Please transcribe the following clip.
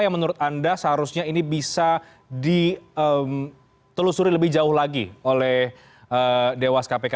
yang menurut anda seharusnya ini bisa ditelusuri lebih jauh lagi oleh dewas kpk